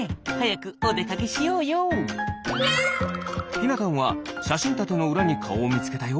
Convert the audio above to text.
ひなたんはしゃしんたてのうらにかおをみつけたよ。